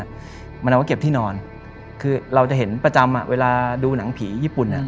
เหมือนเราก็เก็บที่นอนคือเราจะเห็นประจำอ่ะเวลาดูหนังผีญี่ปุ่นอ่ะ